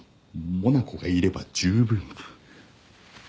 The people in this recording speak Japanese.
「モナコがいれば十分」